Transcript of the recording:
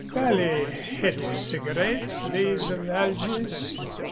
"Bally heady cigarettes, these of Algy's.